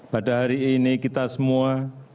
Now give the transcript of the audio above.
pada hari ini kita semua